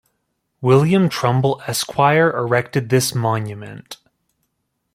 William Trumbell Esquire erected this monument.